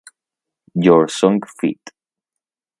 Your Song feat.